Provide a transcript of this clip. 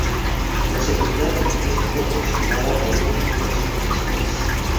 La seguridad es proporcionada por un equipo de supervisores.